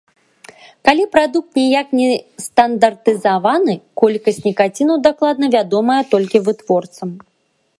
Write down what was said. Калі прадукт ніяк не стандартызаваны, колькасць нікаціну дакладна вядомая толькі вытворцам.